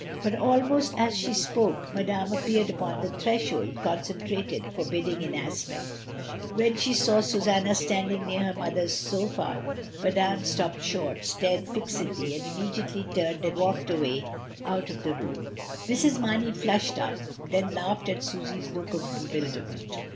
But almost as she spoke Madame appeared upon the threshold, concentrated, forbid ding in aspect. When she saw Susanna standing near her mother's sofa Madame stopped short, stared fixedly, and immediately turned and walked away out of the room. Mrs. Marney flushed up, then laughed at Susy's look of bewilderment.